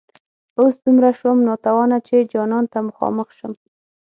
اوس دومره شوم ناتوانه چي جانان ته مخامخ شم